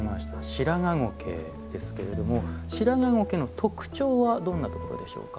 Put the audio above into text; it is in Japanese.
シラガゴケですけれどもシラガゴケの特徴はどんなところでしょうか。